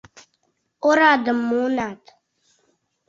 — Орадым муынат!..